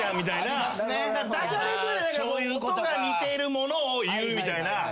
ダジャレというか音が似てるものを言うみたいな。